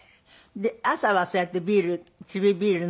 で朝はそうやってチビビール